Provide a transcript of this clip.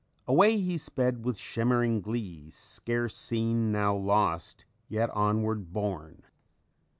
_ "_Away he sped, with shimmering glee, Scarce seen, now lost, yet onward borne!